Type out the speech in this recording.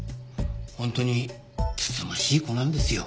本当に慎ましい子なんですよ。